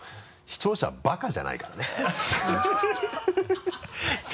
視聴者はバカじゃないからね